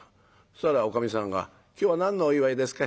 そしたらおかみさんが「今日は何のお祝いですか？